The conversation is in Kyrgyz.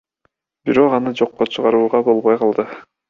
Бирок аны жокко чыгарууга болбой калды.